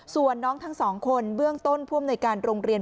ส่วนน้องทั้งสองคนเบื้องต้นผู้อำนวยการโรงเรียน